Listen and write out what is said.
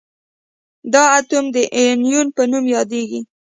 دا اتوم د انیون په نوم یادیږي.